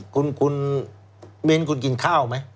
คุณมิ้นคุณกินข้าวไหม